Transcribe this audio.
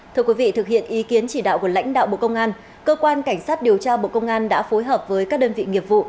thưa quý vị thực hiện ý kiến chỉ đạo của lãnh đạo bộ công an cơ quan cảnh sát điều tra bộ công an đã phối hợp với các đơn vị nghiệp vụ